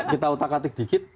kita otak atik dikit